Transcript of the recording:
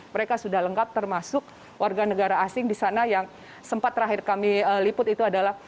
mereka sudah lengkap termasuk warga negara asing di sana yang sempat terakhir kami liput itu adalah